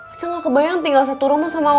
acil ga kebayang tinggal satu rumah sama warna